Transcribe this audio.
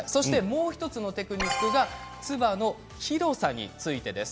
もう１つのテクニックがつばの広さについてです。